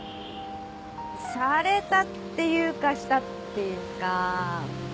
されたっていうかしたっていうか。